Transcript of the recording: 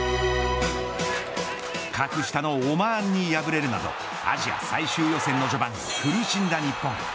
格下のオマーンに敗れるなどアジア最終予選の序盤苦しんだ日本。